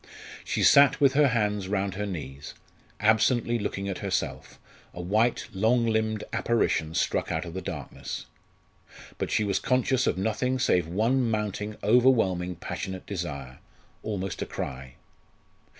She sat with her hands round her knees, absently looking at herself, a white long limbed apparition struck out of the darkness. But she was conscious of nothing save one mounting overwhelming passionate desire, almost a cry.